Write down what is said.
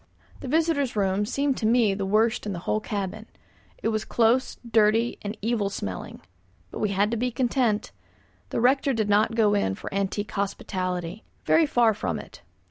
The visitors' room seemed to me the worst in the whole cabin. It was close, dirty, and evil smelling. But we had to be content. The rector did not to go in for antique hospitality. Very far from it.